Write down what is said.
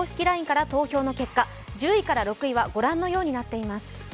ＬＩＮＥから投票の結果、１０位から６位は御覧のようになっています。